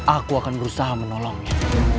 aku akan berusaha menolongnya